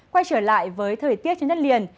quay trở lại với thời tiết trên đất liền